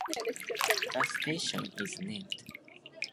The station is named after the nearby Changfeng Park.